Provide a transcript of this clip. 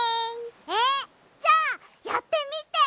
えっじゃあやってみて！